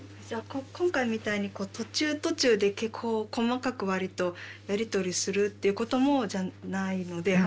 じゃあ今回みたいに途中途中でこう細かくわりとやり取りするっていうこともないので。